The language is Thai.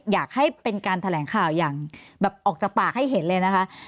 อยากให้เป็นการแถลงข่าวอย่างแบบออกจากปากให้เห็นเลยนะคะ